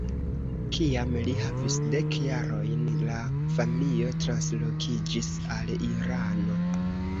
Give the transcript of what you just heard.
Kiam li havis dek jarojn la familio translokiĝis al Irano.